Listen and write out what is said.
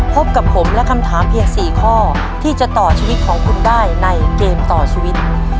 พบกับผมและคำถามเพียง๔ข้อที่จะต่อชีวิตของคุณได้ในเกมต่อชีวิต